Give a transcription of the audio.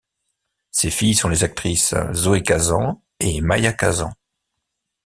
Ses filles sont les actrices Zoe Kazan et Maya Kazan.